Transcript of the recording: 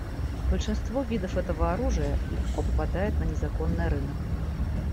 Большинство видов этого оружия легко попадает на незаконный рынок.